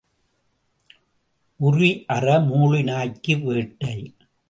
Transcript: உறி அற மூளி நாய்க்கு வேட்டை.